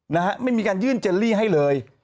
นะฮะไม่มีการยื่นเจลลี่ให้เลย